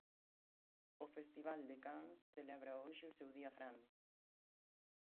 O Festival de Cans celebra hoxe o seu día grande.